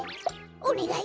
おねがい！